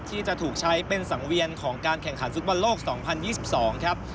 ที่จะถูกใช้เป็นสังเวียนของการแข่งขันฟุตบอลโลก๒๐๒๒ครับ